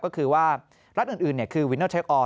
ก็คือว่ารัฐอื่นคือวินัลเทคออน